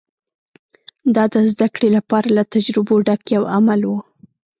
دا د زدهکړې لپاره له تجربو ډک یو عمل و